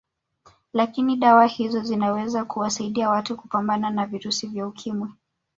Lakini dawa hizo zinaweza kuwasaidia watu kupambana na virusi vya Ukimwi